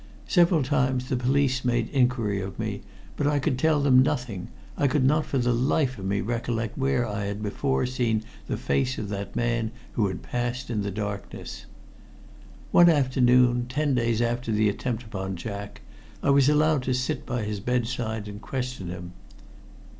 Several times the police made inquiry of me, but I could tell them nothing. I could not for the life of me recollect where I had before seen the face of that man who had passed in the darkness. One afternoon, ten days after the attempt upon Jack, I was allowed to sit by his bedside and question him.